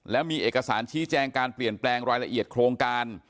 และมีเอกสารชี้แจงการเปลี่ยนแปลงรายละเอียดโครงการ